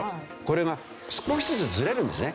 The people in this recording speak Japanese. これが少しずつずれるんですね。